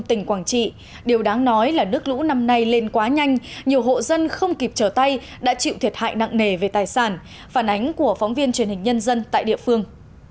tỉnh quảng trị điều đáng nói là nước lũ năm nay lên quá nhanh nhiều hộ dân không kịp trở tay đã chịu thiệt hại nặng nề về tài sản phản ánh của phóng viên truyền hình nhân dân tại địa phương